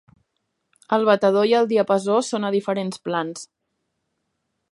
El batedor i el diapasó són a diferents plans.